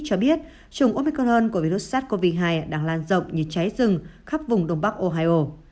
cho biết chủng omicron của virus sars cov hai đang lan rộng như trái rừng khắp vùng đông bắc ohio